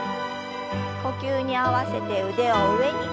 呼吸に合わせて腕を上に。